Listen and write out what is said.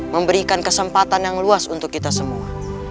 memberikan kesempatan yang luas untuk kita semua